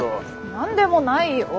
何でもないよ。